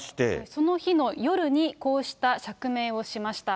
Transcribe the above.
その日の夜に、こうした釈明をしました。